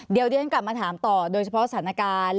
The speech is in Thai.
เดี๋ยวที่ฉันกลับมาถามต่อโดยเฉพาะสถานการณ์